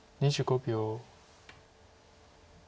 ２５秒。